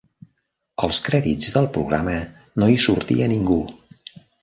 Als crèdits del programa no hi sortia ningú.